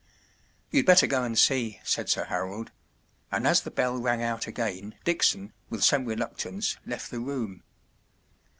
“ You’d better go and see,” saidSir Harold; and as the bell rang out again Dickson, with some reluctance, left the room.